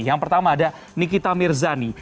yang pertama ada nikita mirzani